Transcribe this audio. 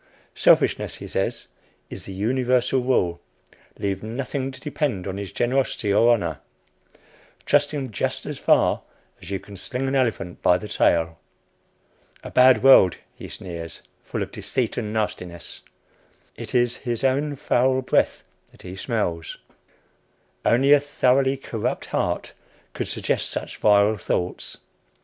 Selfishness, he says, is the universal rule leave nothing to depend on his generosity or honor; trust him just as far as you can sling an elephant by the tail. A bad world, he sneers, full of deceit and nastiness it is his own foul breath that he smells; only a thoroughly corrupt heart could suggest such vile thoughts.